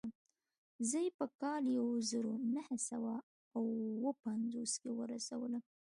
زه يې په کال يو زر و نهه سوه اووه پنځوس کې ورسولم.